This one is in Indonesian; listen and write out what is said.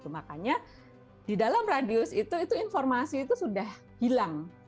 makanya di dalam radius itu informasi itu sudah hilang